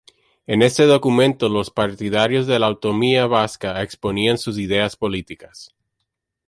En este documento los partidarios de la autonomía vasca exponían sus ideas políticas.